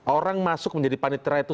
orang masuk menjadi panitra itu